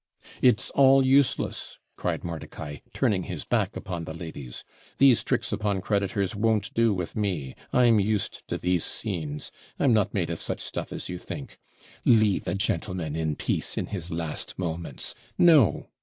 'It's all useless,' cried Mordicai, turning his back upon the ladies; 'these tricks upon creditors won't do with me; I'm used to these scenes; I'm not made of such stuff as you think. Leave a gentleman in peace in his last moments. No!